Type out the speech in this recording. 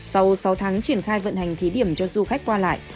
sau sáu tháng triển khai vận hành thí điểm cho du khách qua lại